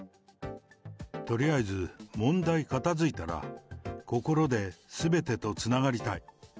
とりあえず問題片づいたら、心ですべてとつながりたい。